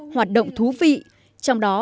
hoạt động thú vị trong đó